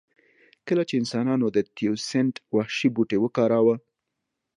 کله چې انسانانو د تیوسینټ وحشي بوټی وکاراوه